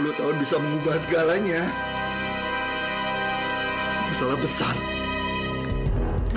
haris denktempelkan ber dua harian